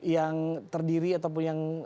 yang terdiri ataupun yang